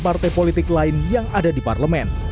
partai politik lain yang ada di parlemen